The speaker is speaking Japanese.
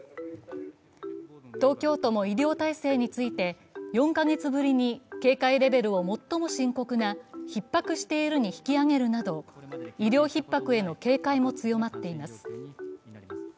東京都も医療体制について４カ月ぶりに警戒レベルを最も深刻なひっ迫しているに引き上げるなど医療ひっ迫への警戒も強まっています。